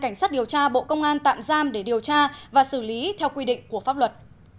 đã có hành vi lợi dụng chức vụ công an tạm giam để điều tra và xử lý theo quy định của pháp luật